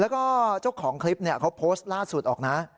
แล้วก็เจ้าของคลิปเขาโพสต์ล่าสุดออกนะ